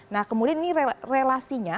nah kemudian ini relasinya